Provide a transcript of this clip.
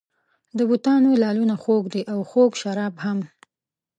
د بتانو لعلونه خوږ دي او خوږ شراب هم.